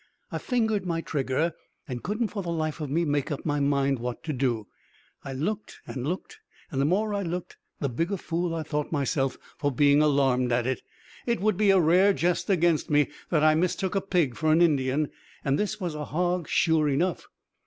I fingered my trigger, and couldn't for the life of me make up my mind what to do. I looked and looked, and the more I looked the bigger fool I thought myself for being alarmed at it. It would be a rare jest against me that I mistook a pig for an Indian; and this was a hog sure enough.